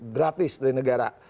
gratis dari negara